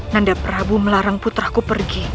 nanda prabu melarang putraku pergi